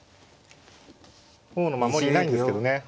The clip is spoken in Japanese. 王の守りいないんですけどね。